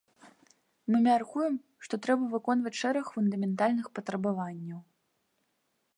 Мы мяркуем, што трэба выконваць шэраг фундаментальных патрабаванняў.